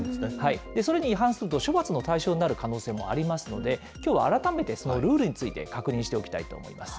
それに違反すると処罰の対象になる可能性もありますので、きょうは改めてそのルールについて確認しておきたいと思います。